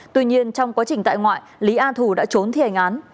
tuy nhiên trong quá trình tại ngoại lý a thù đã trốn thi hành án